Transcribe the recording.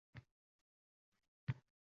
Komandir sheriklariga nazar soldi.